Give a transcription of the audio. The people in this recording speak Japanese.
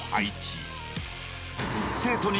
［生徒に］